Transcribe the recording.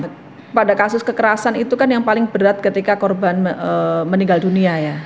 nah pada kasus kekerasan itu kan yang paling berat ketika korban meninggal dunia ya